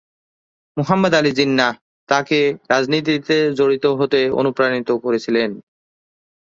মুহাম্মদ আলী জিন্নাহ তাকে রাজনীতিতে জড়িত হতে অনুপ্রাণিত করেছিলেন।